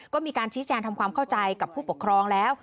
ก็มีการชี้แจงทำความเข้าใจกับผู้ปกครองแล้ว